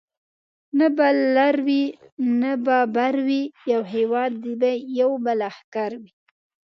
نه به لر وي نه به بر وي یو هیواد یو به لښکر وي